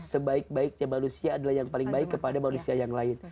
sebaik baiknya manusia adalah yang paling baik kepada manusia yang lain